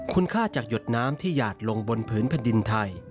คุณค่าจากหยดน้ำที่หยาดลงบนผืนแผ่นดินไทย